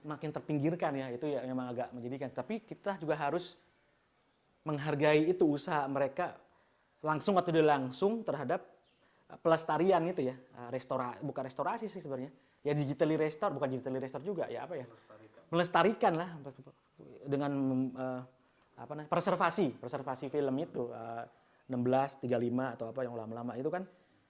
apa namanya preservasi preservasi film itu enam belas tiga puluh lima atau apa yang lama lama itu kan